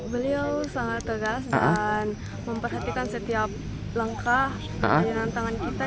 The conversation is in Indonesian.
beliau sangat tegas dan memperhatikan setiap langkah dengan tangan kita